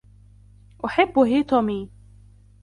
أحب هيتومي.